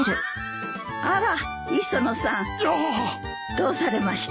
どうされました？